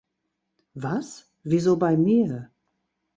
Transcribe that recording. Was? Wieso bei mir?